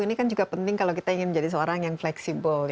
ini kan juga penting kalau kita ingin menjadi seorang yang fleksibel